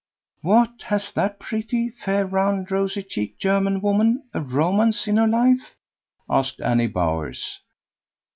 "What! has that pretty, fair, round rosy cheeked German woman a romance in her life?" asked Annie Bowers.